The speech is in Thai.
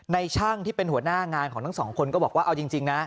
ช่างที่เป็นหัวหน้างานของทั้งสองคนก็บอกว่าเอาจริงนะ